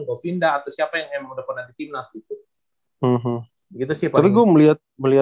govinda atau siapa yang emang udah pernah di gimnas gitu